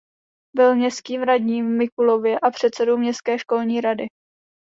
Byl městským radním v Mikulově a předsedou městské školní rady.